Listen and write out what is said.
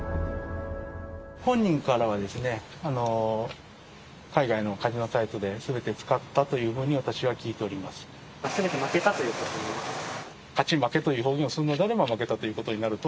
本人からは、海外のカジノサイトですべて使ったというふうに、私は聞いておりすべて負けたということですか？